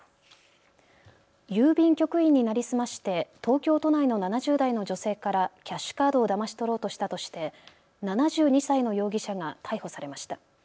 郵便局員に成り済まして東京都内の７０代の女性からキャッシュカードをだまし取ろうとしたとして７２歳の容疑者が逮捕されました。